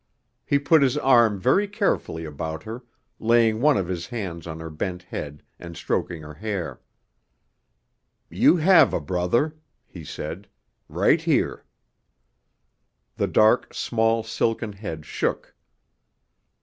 He put his arm very carefully about her, laying one of his hands on her bent head and stroking her hair. "You have a brother," he said. "Right here." The dark small silken head shook.